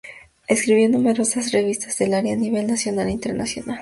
Escribió en numerosas revistas del área a nivel nacional e internacional.